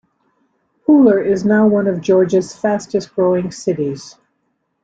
Pooler is now one of Georgia's fastest-growing cities.